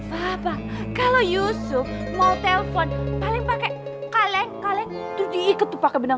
papa kalau yusuf mau telfon paling pakai kaleng kaleng tuh diikat tuh pakai benang